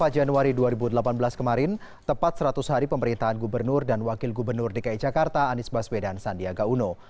dua puluh januari dua ribu delapan belas kemarin tepat seratus hari pemerintahan gubernur dan wakil gubernur dki jakarta anies baswedan sandiaga uno